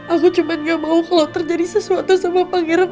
aku cuman gak mau kalo terjadi sesuatu sama pangeran